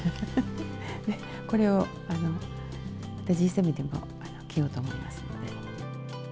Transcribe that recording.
これをＧ７でも着ようと思いますんで。